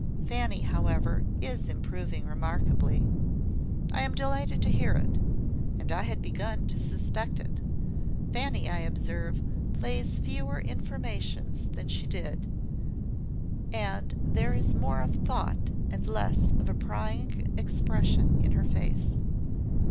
Fanny, however, is improving remarkably." "I am delighted to hear it, and I had begun to suspect it. Fanny, I observe, lays fewer informations than she did; and there is more of thought, and less of a prying expression, in her face.